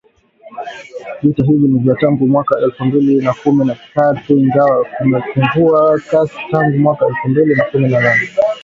Vita hivi ni vya tangu mwaka elfu mbili na kumi na tatu ingawa vimepungua kasi tangu mwaka elfu mbili na kumi na nane